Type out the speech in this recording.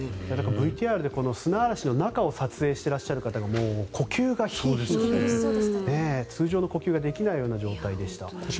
ＶＴＲで砂嵐の中を撮影されていらっしゃる方が呼吸がヒーヒー通常の呼吸ができないような状態でした。